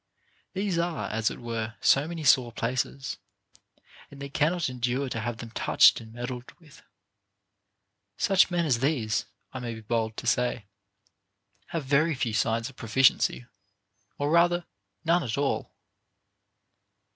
These are, as it were, so many sore places, and they cannot endure to have them touched and meddled with. Such men as these (I may be bold to say) have very few signs of proficiency, or rather none at all.